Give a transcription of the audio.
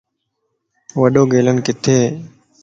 وڏو گيلن ڪٿي ائي؟